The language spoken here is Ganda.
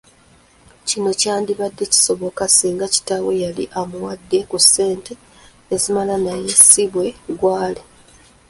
Kino kyandibadde kisoboka singa kitaawe yali amuwadde ku ssente ezimala naye si bwe gwali.